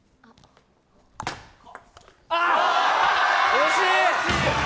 惜しい！